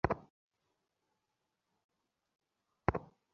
তবে ত্রুটি থাকায় গণনাকালে চারটি ভোট বাতিল বলে ঘোষণা করে নির্বাচন কমিশন।